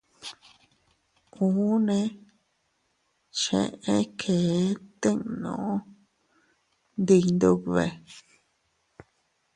Unne cheʼe kee tinnu ndi Iyndube.